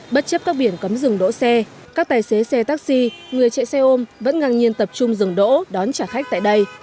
bất chấp các biển cấm dừng đỗ xe các tài xế xe taxi người chạy xe ôm vẫn ngang nhiên tập trung dừng đỗ đón trả khách tại đây